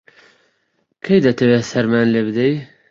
کەی دەتەوێ سەرمان لێ بدەی؟